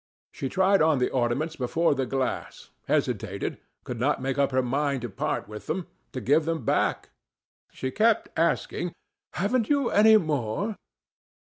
She tried on the ornaments before the glass, hesitated, could not make up her mind to part with them, to give them back. She kept asking: "Haven't you any more?"